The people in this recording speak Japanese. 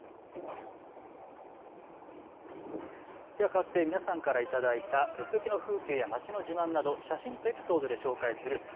かわって皆さんから頂いたとっておきの風景や街の自慢などを写真とエピソードで紹介する＃